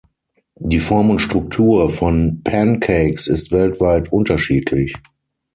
Die Form und Struktur von Pancakes ist weltweit unterschiedlich.